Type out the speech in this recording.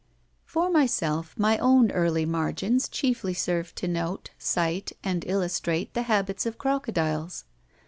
For myself, my own early margins chiefly served to note, cite, and illustrate the habits of crocodiles.